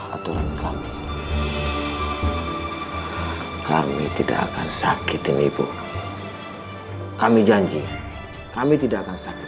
aturan kami kami tidak akan sakitin ibu kami janji kami tidak akan sakit